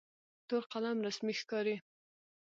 تور قلم رسمي ښکاري.